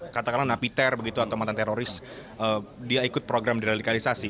katakanlah napiter begitu atau mantan teroris dia ikut program deradikalisasi